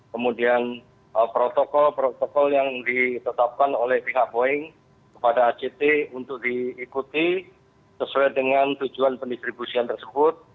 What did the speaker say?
kemudian protokol protokol yang ditetapkan oleh pihak boeing kepada act untuk diikuti sesuai dengan tujuan pendistribusian tersebut